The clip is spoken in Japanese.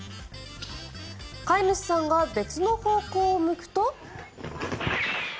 飼い主さんが別の方向を向くと。